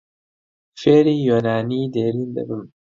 فێری یۆنانیی دێرین دەبم.